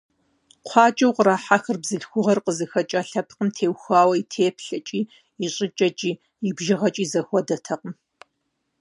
КхъуакӀэу кърахьэхыр бзылъхугъэр къызыхэкӀа лъэпкъым теухуауэ и теплъэкӀи, и щӀыкӀэкӀи, и бжыгъэкӀи зэхуэдэтэкъым.